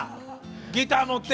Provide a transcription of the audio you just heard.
ギター持って。